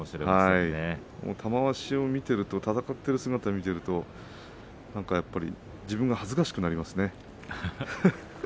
玉鷲を見ていると戦っている姿を見ていると自分が恥ずかしくなりますね。